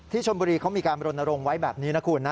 ชมบุรีเขามีการบรณรงค์ไว้แบบนี้นะคุณนะ